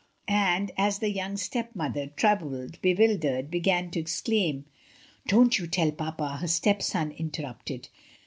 And, as the young stepmother, troubled, bewildered, began to exclaim: "Don't you tell papa," her stepson inter rupted.